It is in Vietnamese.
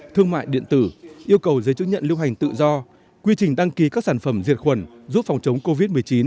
thương mại điện tử yêu cầu giấy chứng nhận lưu hành tự do quy trình đăng ký các sản phẩm diệt khuẩn giúp phòng chống covid một mươi chín